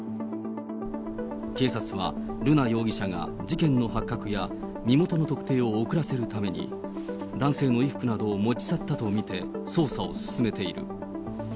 警察は、瑠奈容疑者が事件の発覚や身元の特定を遅らせるために、男性の衣服などを持ち去ったと見て捜査を進めている。